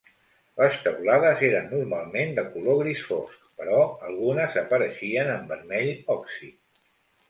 Les teulades eren normalment de color gris fosc, però algunes apareixien en vermell òxid.